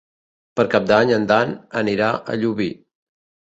Per Cap d'Any en Dan anirà a Llubí.